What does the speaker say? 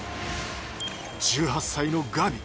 １８歳のガビ。